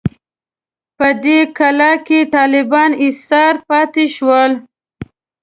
په دې کلا کې طالبان ایسار پاتې شول.